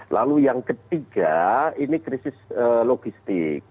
lalu yang ketiga ini krisis logistik